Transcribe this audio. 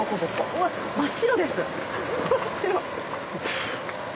うわっ真っ白です真っ白！